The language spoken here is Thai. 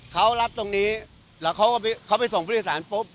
เขารับตรงนี้แล้วเขาก็ไปเขาไปส่งพฤษศาลปุ๊บ